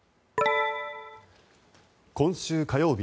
今週火曜日